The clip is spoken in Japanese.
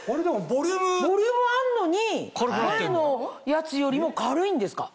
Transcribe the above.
ボリュームあるのに前のやつよりも軽いんですか！